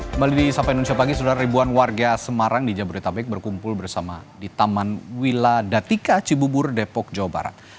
kembali di sapa indonesia pagi sudah ribuan warga semarang di jabodetabek berkumpul bersama di taman wiladatika cibubur depok jawa barat